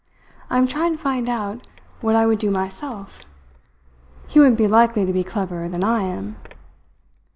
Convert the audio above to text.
"I am trying to find out what I would do myself. He wouldn't be likely to be cleverer than I am."